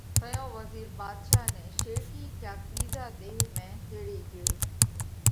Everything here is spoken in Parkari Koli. تئيون وزِير ڀاڌشا نئہ شيٽِي ڪياڪ ٻِيزا ۮيه ۾ تيڙي ڳيو